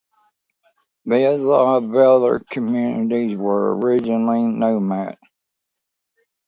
The Isai Vellalar communities were originally nomads.